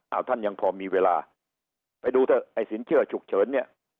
เอาท่านยังพอมีเวลาไปดูเถอะไอ้สินเชื่อฉุกเฉินเนี่ย